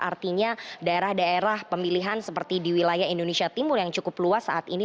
artinya daerah daerah pemilihan seperti di wilayah indonesia timur yang cukup luas saat ini